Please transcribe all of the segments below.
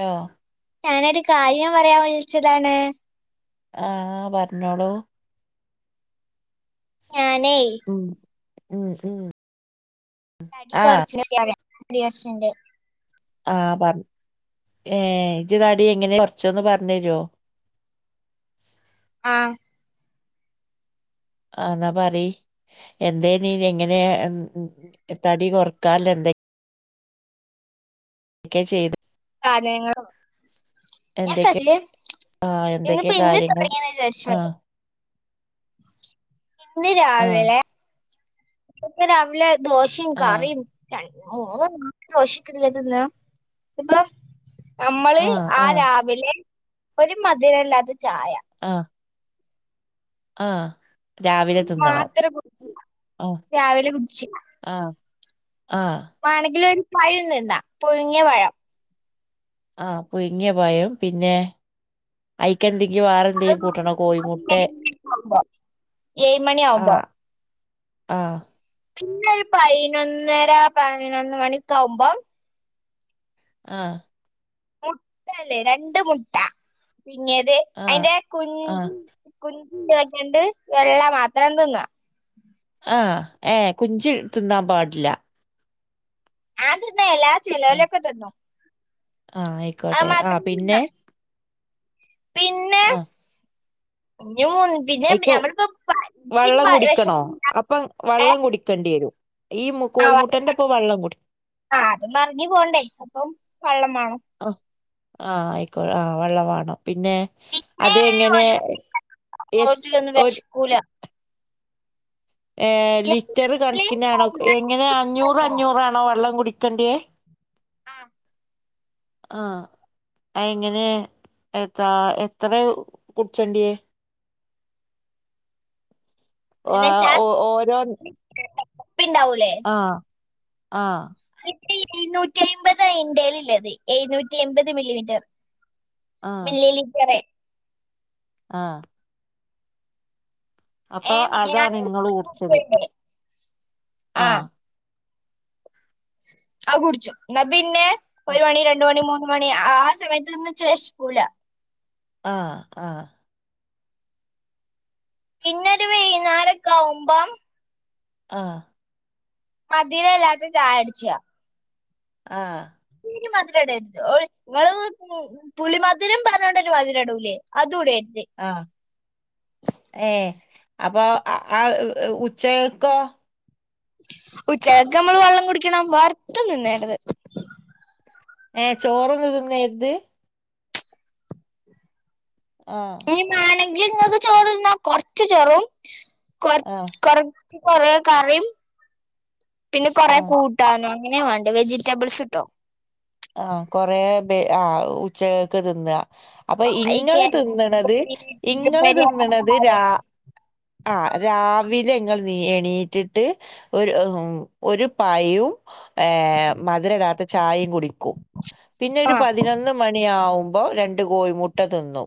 യോ ഞാനൊരു കാര്യം പറയാൻ വിളിച്ചതാണ്. ആഹ പറഞ്ഞോളൂ. ഞാനൈ ഉം ഉം ഉം തടി ആഹ് കൊറച്ച്യാച്ചണ്ട് ആഹ പറ ഏ ഇജ്ജ് തടി എങ്ങനെയ കുറച്ചന്ന് പറഞ്ഞ് തരുവോ ആഹ ആ എന്നാ പറി എന്തേനി എങ്ങനെ തടി കൊർക്കാനുള്ള [inaudible] ക്കെ ചെയ്തു കാര്യാങ്ങളും എന്തൊക്കെ യസ്സസ് യസ് ആഹ് ഇന്ന് എന്തൊക്കെ ഇന്ന്പ്പോ കാര്യങ്ങൾ [unintelligible] വിചാരിച്ചോ ആഹ് ഇന്ന് ആഹ് രാവിലെ ഇന്ന് രാവിലെ ദോഷിം ആഹ് കറിം ര ഓള് ദോശക്കില്ലത്ന്നാ ഇപ്പാ നമ്മള് ആഹ് ആ ആഹ് രാവിലെ ഒരു മധുരല്ലാത്ത ചായ ആ ആ രാവിലെ തിന്നണം മാത്രം കുടിച്ചില്ല ആ രാവിലെ ആ വാണെങ്കില് ഒരു പഴം നിന്നാ പുഴുങ്ങിയ പഴം ആ പുഴുങ്ങിയ പയം പിന്നെ ഐക്കന്തെ [unintelligible] ഏഴ്മണി ആവുമ്പോ ആഹ് ആഹ് പിന്നെ പയ്നൊന്നര പതിനൊന്ന് മണിയോക്കെ ആവുമ്പം ആ മുട്ടല്ലേ രണ്ട് മുട്ട പിങ്ങേത് ആഹ് അയ്ന്റെ കുഞ് ആഹ് കുഞ് വെക്കണ്ട് വെള്ള മാത്രം തിന്നാ ആ ഏ കുഞ്ചി തിന്നാം പാടില്ല ഞാൻ തിന്നൽല്ല ആ ചെലോലൊക്കെ തിന്നും ആ അത് ആയിക്കോട്ടെ ആ മാത്രം പിന്നെ തിന്നാ ആ ഓഹ് [unintelligible] പിന്നേം അയിക്ക് ഞമ്മളിപ്പോ പ വെള്ളം കുടിക്കണോ അപ്പം [unintelligible] ഏ വെള്ളം കുടിക്കേണ്ടി വരും ഈ മു- ആ കോഴിമുട്ടന്റെ ഒപ്പം വെള്ളം കുടി ആ അത് മറിഞ്ഞു പോണ്ടേ അപ്പം വള്ളംമേണം അഹ് ആ ആയിക്കോ ആ വെള്ള വാണം പിന്നെ പിന്നെ അത് ഒരു എങ്ങനെ ഒരു എത് മണി ഒന്ന് ഒരു വിശക്കൂല ഏ ലിറ്റർ കൺക്കിനാണോ ക് എങ്ങനെ അഞ്ഞൂറ് അഞ്ഞൂറാണോ വെള്ളം കുടി ക്കണ്ടിയേ ആഹ് ആഹ് അഇങ്ങനെ എത്രാ എത്ര കുട്ച്ചണ്ടിയേ? ഒ ആ എന്നുവെച്ചാ ഓ ഓരോൻ പ്പിണ്ടാവൂലേ? ആഹ് എ എഴുന്നൂറ്റി അയ്മ്പതാ ഇന്റെലിള്ളത്. എഴുന്നൂറ്റി എമ്പത് മില്ലിമിറ്റർ മില്ലിലിറ്ററ് ആഹ് അപ്പൊ ഏ ഞാൻ അതാണ് ങ്ങള് കുട്ച്ചത് ആ അഹ് കുടിച്ചു. ന്ന ബിന്നെ ഒരു മണി രണ്ട് മണി മൂന്ന് ന്ന് മണി ആ സമയത്ത്ന്ന് ച്ച് വെശ്ക്കുല്ല ആ ആ പിന്ന രുവെയ്ന്നാരക്കാഉമ്പം ആ മതിരല്ലാത്ത ചായട്ച്യാ ആഹ് ക്ഞ്ഞി മധുടേര്ത് ഒര് ങ്ങള് തു പുളി മധുരം പർഞ്ഞോണ്ടൊരു മധുരം ഇടുലേ. അതു ഇട ആ ഏ അപ്പൊ ആ ആ ഉച്ചക്കോ ഉച്ചക്ക് നമ്മള് വെള്ളം കുടിക്കണം വേറൊത്തും നിന്നേര്ത് ഏഹ് ചോറ് തിന്നെരുത്? ആഹ് ഏഹ് വേണെങ്കി ഇങ്ങക്ക് ചോറു തിന്നാം. കൊറച്ച് ചോറും കൊറ ആഹ് കൊറ കൊറേ കറിയും പിന്നെ കൊറേ ആഹ് കൂട്ടാനും അങ്ങനേ വേണ്ടേ വെജിറ്റബിൾസ് ഇട്ടോ ആഹ് കൊറേ പേ ആ ഉച്ചകക്ക് തിന്ന അപ്പൊ ഈ ഇങ്ങള് കേരി തിന്നണത് ഇങ്ങള് തിന്നണത് രാ ആ രാവിലെ ഇങ്ങൾ എ എണീറ്റിട്ട് ഒരു ഒരു പായോം ഏഹ് മധുര ഇടാത്ത ചായയും കുടിക്കും പിന്നെ ആ ഒരു പതിനൊന്ന് മണിയാവുമ്പോ രണ്ടു കോഴി മുട്ട തിന്നു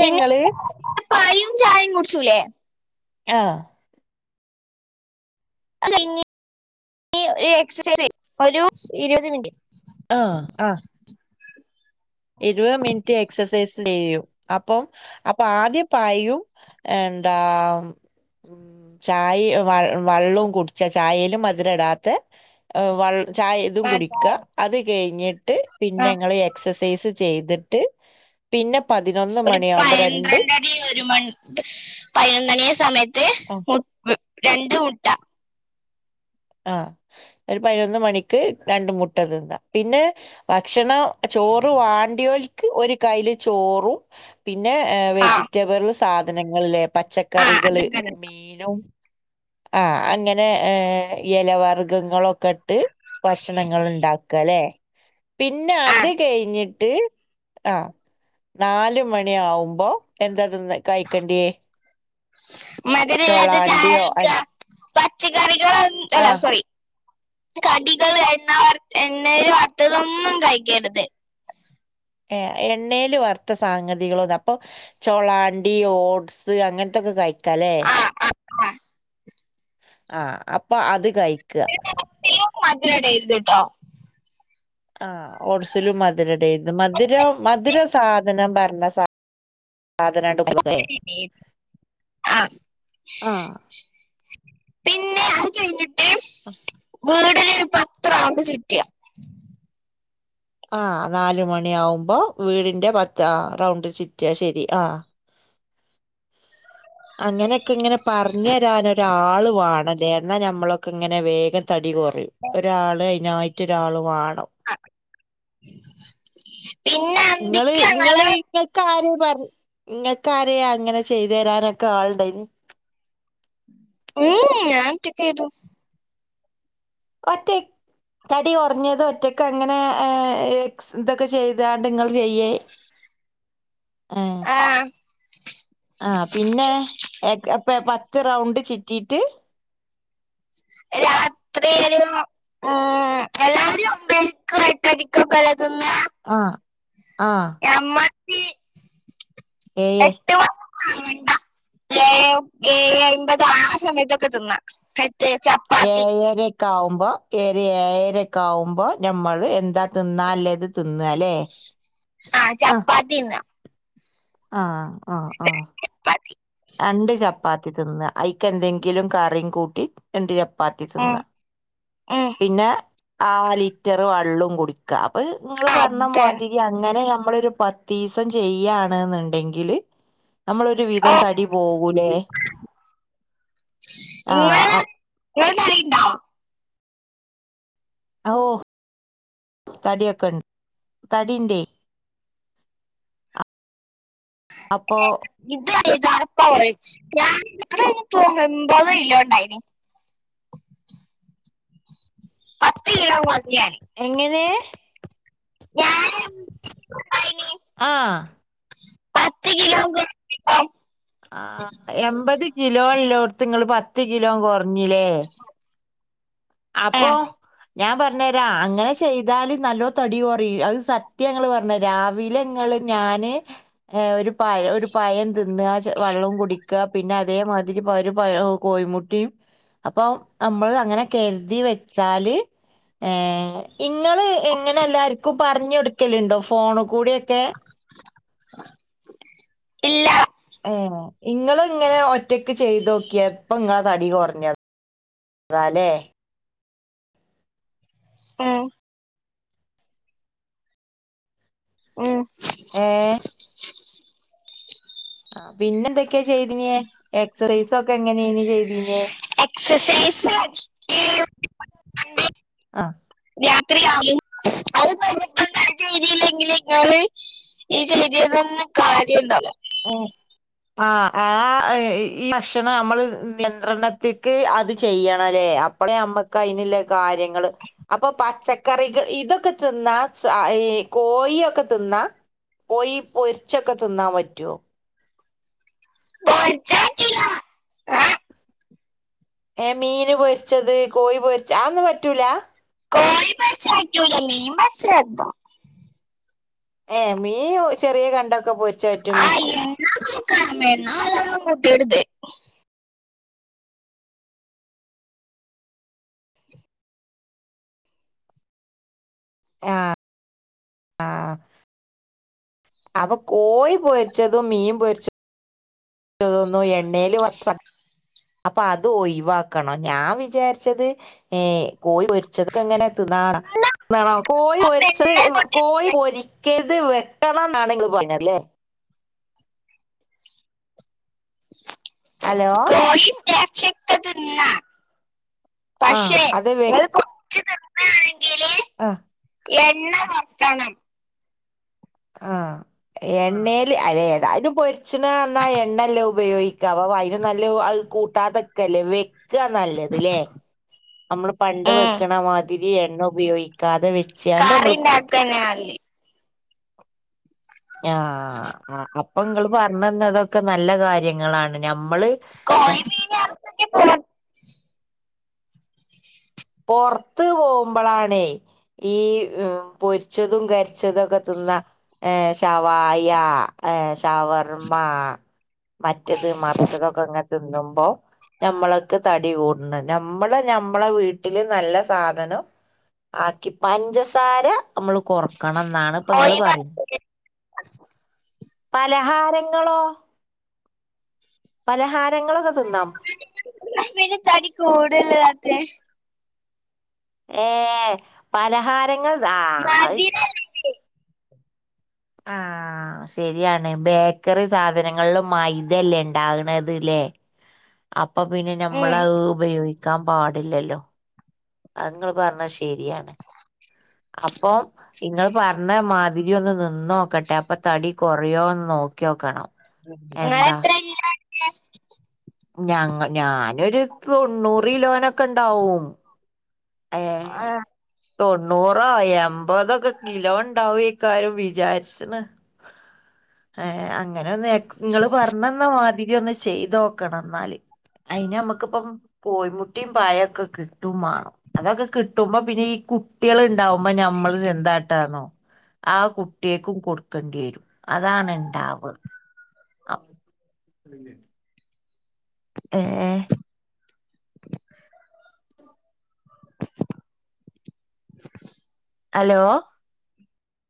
പിന്നെ പയും ചായും കുടിച്ചൂലേ ആഹ് അത് കഴിഞ്ഞി എക്സസൈസ് ഒരു ഇരുപത് മിനിറ്റ് ആഹ് ആഹ് ഇരുപത് മിനിറ്റ് എക്സ സൈസ് ചെയ്യൂ അപ്പം അപ്പൊ ആദ്യ പയും എന്താ ഉമ് ചായ വ വള്ളും കുടിച്ച ചായലും മധുരം ഇടാത്ത വ ചായ ഇതും ആ കുടിക അത് കഴിഞ്ഞിട്ട് ആ പിന്നെ ങ്ങൾ എക്സ ചെയ്തിട്ട് പിന്നെ പതിനൊന്ന് ഒരു മണിയാവുമ്പോ പയ് രണ്ട് ന്ത്രണ്ടടി ഒരു മണി പതിനൊന്നണിയ സമയത്ത് ആ ത്ത് മു രണ്ട് മുട്ട ആഹ് ഒരു പതിനൊന്ന് മണിക്ക് രണ്ട് മുട്ട തിന്നാ പിന്നെ ബാ ഭക്ഷണ ചോറ് വാണ്ടിയോൽക്ക് ഒരു കയ്ല് ചോറും പിന്നെ ഏഹ് ആ വെജിറ്റബർ സാധനങ്ങളിലേ ആ അത് പച്ചക്കറികള് തന്നെ മീനും ആഹ് അങ്ങനെ ഏഹ് എല വർഗങ്ങളൊക്കെ ഇട്ട് ഭക്ഷണങ്ങൾ ഇണ്ടാക്ക ല്ലെ പിന്നെ ആ അത് കഴിഞ്ഞിട്ട് ആഹ് നാൽ മണി ആവുമ്പോ എന്താ തിന്ന കഴിക്കണ്ടിയേ മതിര ഇല്ലാത്ത ചോളാണ്ടിയോ ചായക്കാ പച്ചക്കറികൾ അല്ല ആഹ് സോറി കടികൾ എണ്ണ വർ എണ്ണൽ വറുത്തതൊന്നും കഴിക്കരുത് ഏഹ് എണ്ണൽ വറുത്ത സാ ഗതികള അപ്പൊ ചൊളാണ്ടി ഓട്സ് അങ്ങനത്തൊക്കെ കഴി ക്ക ലെ ആ ആ ആ ആഹ് അപ്പൊ അത് കഴിക്കുക. [inaudible] ആ ഓർസലും മധുരടെന്ന് മധുര മധുര സാധ അത നാൻ പറഞ്ഞ സ [unintelligible] ആ ആഹ് പിന്നെ കഴിഞ്ഞിട്ട് വീടിന് പത്രൗണ്ട് ചുറ്റിയ ആഹ് നാല മണി ആവുമ്പോ വീടിന്റെ പത്ത് ആഹ് റൗണ്ട് ചിറ്റ കേ ശരി ആഹ് അങ്ങനെയൊക്കെ ഇങ്ങനെ പറഞ്ഞ തരാൻരാള വാണ് ല്ല എന്നാൽ നമ്മളൊക്കെ ഇങ്ങനെ വേഗം തടി കുറയും ഒരാള് അതിനായിട്ട ഒരാളു വാ ആ, പിന്നെ നിങ്ങള് അന്തിക്ക് ഞങ്ങള് നിങ്ങള്ങ്ങൾക്ക് ആര് പറ നിങ്ങക്കാരെയ അങ്ങനെ ചെയ്തു തരാനൊക്കെ ആളണ്ട ഇനി ഉം ഞാൻറ്റക്ക ചെയതു ഒറ്റക് തടി ഉറഞ്ഞത് ഒറ്റക്ക അങ്ങനെ എക്സ് ഇതൊക്കെ ചെയ്താണ്ട് നിങ്ങൾ ചെയ്യേ ആഹ് ആഹ് പിന്നെ അപ്പൊ പത്ത് റൗണ്ട് ചിറ്റിട്ട് രാത്രി ഒരു ഉം എല്ലാവരും [unintelligible] ആഹ് ആഹ് നമ്മക്ക് ഏയേ എട്ട് [unintelligible] സമയത്തൊക്കെ തിന്നാം മറ്റേ ചപ്പാത്തി ഏഴരക്കെ ആകുമ്പോ ഏരി ഏരക്കെ ആകുമ്പോ നമ്മള് എന്താ തിന്നല്ലേത് തിന്ന അല്ലേ ആ ചപ്പാത്തി തിന്നാം ആഹ് ആഹ് ആഹ് ചപ്പാത്തി രണ്ട് ചപ്പാത്തി തിന്ന് അഐക്ക് എന്തെങ്കിലും കറിയും കൂട്ടി രണ്ട് ചപ്പാ ഉം, പത്തിതിന്ന- ഉം. പിന്നെ ആ ലിറ്റർ വെള്ളും കുടിക്കുക- അ നിങ്ങള് പറഞ്ഞാൽ അത് മതിരി അങ്ങനെ നമ്മളരു പത്ത് ദിവസം ചെയ്യാണ് എന്നുണ്ടെങ്കില് നമ്മളൊ ഒരു ഓ വിധം തടി പോകൂലേ ആ ഇങ്ങള് അ- നിങ്ങറിണ്ടോ- ഹൊ തടിയൊക്കെണ്ട് തടിണ്ടേ [unintelligible] അപ്പോ ഇത ഇതാ [unintelligible] എൺപത്ത് കിലോണ്ടയിനി പത്ത് കിലോങ് മതിയാനി എങ്ങനെ ഞാൻ [unintelligible] ആഹ് പത്ത് കിലോ [unintelligible] ആഹ് എമ്പത് കിലോല്ലോടത്ത് നിങ്ങള് പത്ത് കിലോ കുറഞ്ഞില്ലേ അപ്പോ ഉം. ഞാൻ പറഞ്ഞ തരാ അങ്ങനെ ചെയ്തല് നല്ലോ തടി കുറ അത് സത്യങ്ങള്ൾ പറഞ്ഞ രാവിലെ ങ്ങള് ഞാന് ഏഹ് ഒരു പയം ഒരു പയം തിന്ന്ക വെള്ളം കുടിക്കുക പിന്നെ അതേമാതിരി ഒരു പയം കോഴമുട്ടിയും അപ്പൊ നമ്മള് അങ്ങനെ കരുതി വെച്ചാല് ഏഹ് ഇങ്ങള് എങ്ങനെ എല്ലർക്കും പറഞ്ഞ കൊടുക്കലുണ്ടോ ഫോണ് കുടിയോക്ക ഇല്ല ഏഹ് ഇങ്ങള് ഇങ്ങനെ ഒറ്റക്ക് ചെയ്തോക്കിയെ പ്പ ഇങ്ങളെ തടി കൊറഞ്ഞ അതാലേ ആം ഉം ഏഹ് ആഹ് പിന്നെ എന്തൊക്കെയാ ചെയ്തിനേ എക്സസൈസ് ഒക്കെ എങ്ങനെയാണ് ചെയ്തിനെ എക്സസൈസ് ആ [unintelligible] ത്രിയാകും [unintelligible] [unintelligible] ചെയ്തില്ലെങ്കില് ങ്ങള് ഈ ചെയ്തേ ഒന്നും കാര്യവുണ്ടാവുലാ ഉം ആഹ് ആ ഈ ഭക്ഷണം നമ്മള് നിയന്ത്രണത്തിക്ക് അത് ചെയ്യണ അ ല്ലേ അപ്പഴേ അമ്മക്ക് അയിനുല്ലേ കാര്യങ്ങള് അപ്പോ പച്ചക്കറികൾ ഇതൊക്കെ തിന്നാ ഈ കോയിയൊക്കെ തിന്നാ കോയി പൊരിച്ചൊക്കെ തിന്നാ പറ്റോ? പൊരിച്ചാ പറ്റുലാ ആഹ്‌ ഏ മീന് പൊരിച്ചത് കോഴി പൊരിച്ചത് അ ഒന്നും പറ്റൂല കോഴി പൊരിച്ച പറ്റൂല മീൻ പൊരിച്ചെ പറ്റും ഏ മീൻ ചെറിയ കണ്ടൊക്കെ പൊരി [unintelligible] ആഹ ആ അപ്പൊ കോയി പൊരിച്ചതും മീൻ പൊരിച്ച എനിക്ക് തോന്നുന്നു എണ്ണേല് വറുത്ത സൺ അപ്പൊ അത് ഒയിവാക്കണം ഞാൻ വിചാരിച്ചത് ഏ കോഴി പൊരിച്ചതൊക്കെ ങ്ങനെ തിന്നാനാ താണോ. കോയി പൊരിച്ചത് മെല്ലെ കൊട്ടി കോയി പൊരി കത് വെക്കണം എന്നാണ് ങ്ങള് പറഞ്ഞത് അല്ലെ ഹലോ തിന്നാം ആ പക്ഷെ അത് ഒരു കൊച്ചുതിന്നാണെങ്കില് അ എണ്ണ വറ്റണം അ എണ്ണേല് ഏതായാലും പൊരി ച്ച്ണ് പറഞ്ഞ എണ്ണല്ലെ ഉപയോഗിക്ക അയിനും നല്ലെ അത്കൂട്ടാതൊക്കെല്ലേ. വെ വക്ക നല്ലത് ലേ നമ്മള് പണ്ട് വെക്കണ മാതിരി എണ്ണ ഉപയോഗിക്കാതെ വെ ചെയ്യാണ്ട് കറി നമ്മള് കൂട്ട് ഉണ്ടാക്കാനാല് ആഅപ്പൊ നിങ്ങള് പറഞ്ഞന്നതൊക്കെ നല്ല കാര്യങ്ങളാണ് ഞമ്മള് കോയിമീൻ വർത്ത്റ്റ് [unintelligible] പൊറുത്ത്പോകുമ്പോളാണേ ഈ പൊരിച്ചതും കരി പൊരിച്ചെതൊക്കെതിന്ന ശവായി ഷവർമ്മ മറ്റെത് മറിച്ചതൊക്കെ അങ്ങനെ തിന്നും നമ്മൾക്ക് തടി കൂട്ന്ന്ണ്ട് നമ്മള് നമ്മളെ വീട്ട വട്ടില് നല്ല സാധനം ആക്കി പഞ്ചസാര നമ്മള് കൊറക്കണം ന്നാണ് ഇപ്പൊ നിങ്ങള് പറയി ഒഴിവാക്കി പലഹാരങ്ങളോ പലഹാരങ്ങളു പിന്ന തടി കൂടെല്ലാണ്ട് ഏ പലഹാരങ്ങൾ ആ അത് ശരി മധുരല്ലേ? ആ ശെരിയാണ് ബേക്കറി സാധനങ്ങളില് മൈതല്ലേ ണ്ടാകണത് ലേ അപ്പൊ പിന്നെ ഉം. നമ്മളത് ഉപയോഗിക്കാൻ പാടില്ലല്ലോ അത് നിങ്ങള് പറഞ്ഞ ശെരിയാണ് അപ്പം ഇങ്ങള് പറഞ്ഞ മാതിരി തിരി ഒന്ന് നിന്നോക്കട്ടെ അപ്പൊ തടി കുറയോന്ന് നോക്യോക്കണം [inaudible] ഞങ്ങ ഞാനൊരു തൊണ്ണൂറ് കിലോനൊക്കെ ഇണ്ടാവും അഏ ആ. തൊണ്ണൂറൊ എമ്പതൊക്കെ കിലോ ഉണ്ടാവക്കാരും വിചാരിച്ണ് ഏ അങ്ങനൊന്ന് ങ്ങള് പറഞ്ഞെന്ന മാതിരൊന്ന് ചെയ്തോക്കണം ന്നാല് അയിന് നമ്മുക്കിപ്പം കോഴി മുട്ടയും പാലൊക്കെ കിട്ടുംമാണം അതൊക്കെ കിട്ടുമ്പോ പിന്നെ ഈ കു കുട്ടികൾ ഇണ്ടാവുമ്പോ ഞമ്മൾ എന്താട്ടാന്നോ ആ കുട്ടിയേക്കും കൊടുക്കേണ്ടി വരും അതാണ് ഇണ്ടാവ ഹേ ഹലോ